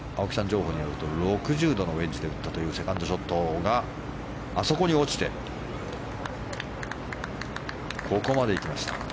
情報によると６０度のウェッジで打ったというセカンドショットがあそこに落ちてここまで行きました。